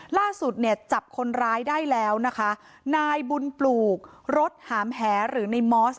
ล่าสุดเนี่ยจับคนร้ายได้แล้วนะคะนายบุญปลูกรถหามแหหรือในมอส